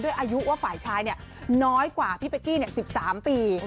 ด้วยอายุว่าฝ่ายชายเนี่ยน้อยกว่าพี่เป็กกี้เนี่ย๑๓ปี